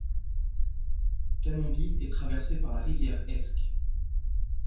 Canonbie est traversé par la rivière Esk.